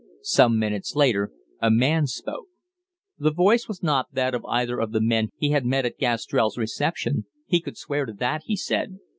Some minutes later a man spoke. The voice was not that of either of the men he had met at Gastrell's reception; he could swear to that, he said.